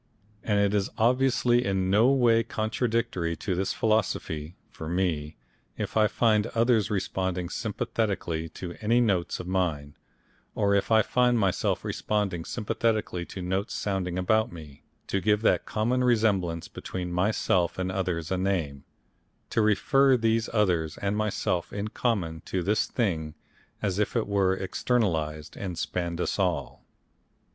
And it is obviously in no way contradictory to this philosophy, for me, if I find others responding sympathetically to any notes of mine or if I find myself responding sympathetically to notes sounding about me, to give that common resemblance between myself and others a name, to refer these others and myself in common to this thing as if it were externalised and spanned us all.